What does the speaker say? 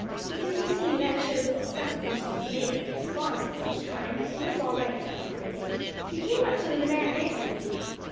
Because, you see, that shows what stuff a person is made of to respond at such a time, and he's all right, Jasper is; he came up to the demand nicely."